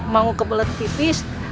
mau kebelet pipis